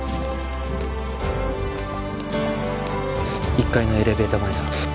１階のエレベーター前だ。